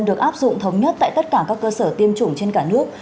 được áp dụng thống nhất tại tất cả các cơ sở tiêm chủng trên cả nước